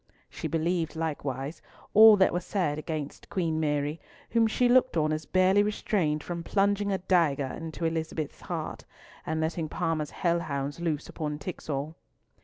She believed, likewise, all that was said against Queen Mary, whom she looked on as barely restrained from plunging a dagger into Elizabeth's heart, and letting Parma's hell hounds loose upon Tixall.